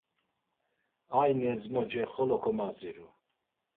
Ayni ezmoce xolo komaziru!